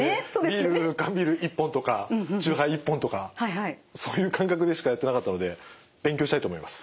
ビール缶ビール１本とか酎ハイ１本とかそういう感覚でしかやってなかったので勉強したいと思います。